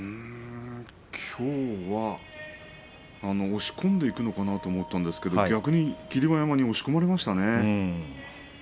きょうは押し込んでいくのかなと思ったんですけれども逆に霧馬山に押し込まれましたね。